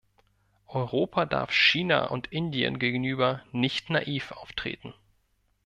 Europa darf China und Indien gegenüber nicht naiv auftreten.